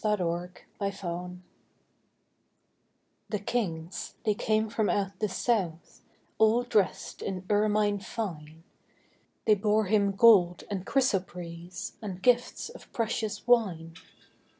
Christmas Carol The kings they came from out the south, All dressed in ermine fine, They bore Him gold and chrysoprase, And gifts of precious wine.